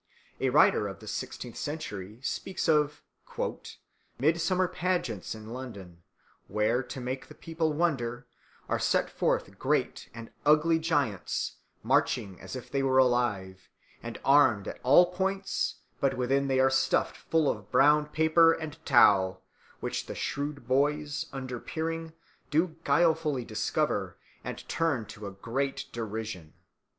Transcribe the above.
A writer of the sixteenth century speaks of "Midsommer pageants in London, where to make the people wonder, are set forth great and uglie gyants marching as if they were alive, and armed at all points, but within they are stuffed full of browne paper and tow, which the shrewd boyes, underpeering, do guilefully discover, and turne to a greate derision."